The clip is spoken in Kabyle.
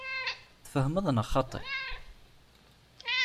Tfehmeḍ neɣ xaṭi?